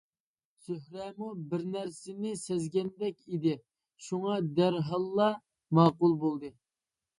زۆھرەمۇ بىرنەرسىنى سەزگەندەك ئىدى شۇڭا دەرھاللا ماقۇل بولدى.